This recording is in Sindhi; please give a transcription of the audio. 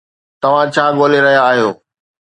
توهان ڇا ڳولي رهيا آهيو؟